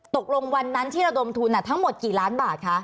ตกลงวันนั้นที่ระดมทุนทั้งหมดกี่ล้านบาทคะ